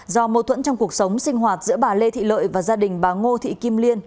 do mâu thuẫn trong cuộc sống sinh hoạt giữa bà lê thị lợi và gia đình bà ngô thị kim liên